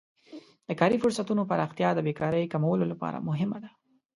د کاري فرصتونو پراختیا د بیکارۍ کمولو لپاره مهمه ده.